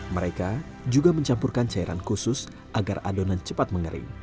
mereka juga mencampurkan cairan khusus agar adonan cepat mengering